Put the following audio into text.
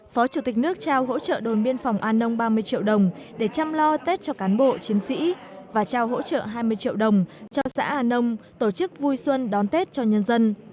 phó chủ tịch nước trao hỗ trợ đồn biên phòng an nông ba mươi triệu đồng để chăm lo tết cho cán bộ chiến sĩ và trao hỗ trợ hai mươi triệu đồng cho xã an nông tổ chức vui xuân đón tết cho nhân dân